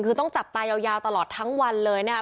คือต้องจับตายาวตลอดทั้งวันเลยนะครับ